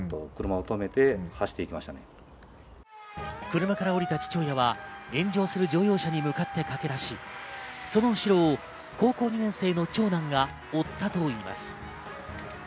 車から降りた父親は炎上する乗用車に向かって駆け出し、その後ろを高校２年生の長男が追ったといいます。